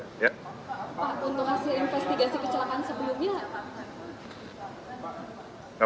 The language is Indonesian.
pak untuk hasil investigasi kecelakaan sebelumnya